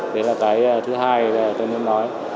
đấy là cái thứ hai tôi muốn nói